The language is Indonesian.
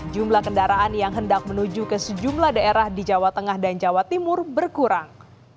jumlah kendaraan yang hendak menuju ke sejumlah daerah di jawa tengah dan jawa timur berkurang